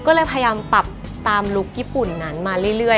ก็เลยพยายามปรับตามลุคญี่ปุ่นนั้นมาเรื่อย